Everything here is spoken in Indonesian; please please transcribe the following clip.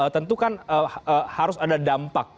tentu kan harus ada dampak